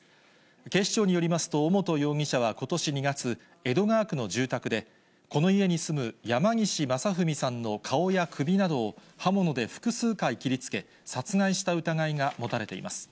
警視庁によりますと、尾本容疑者はことし２月、江戸川区の住宅で、この家に住む山岸正文さんの顔や首などを刃物で複数回切りつけ、殺害した疑いが持たれています。